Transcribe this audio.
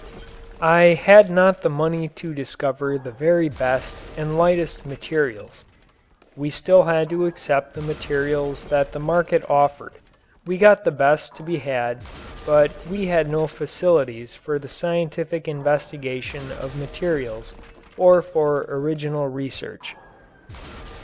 I had not the money to discover the very best and lightest materials. We still had to accept the materials that the market offered we got the best to be had but we had no facilities for the scientific investigation of materials or for original research.